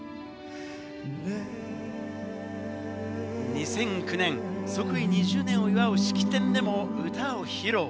２００９年、即位２０年を祝う式典でも歌を披露。